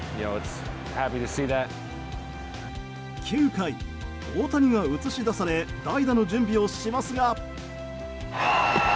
９回、大谷が映し出され代打の準備をしますが。